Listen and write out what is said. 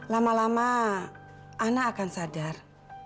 lama lama anak akan sadar